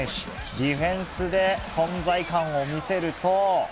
ディフェンスで存在感を見せると。